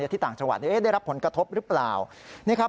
ที่ต่างจังหวัดได้รับผลกระทบหรือเปล่า